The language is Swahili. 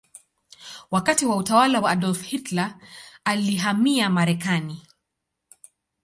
Wakati wa utawala wa Adolf Hitler alihamia Marekani.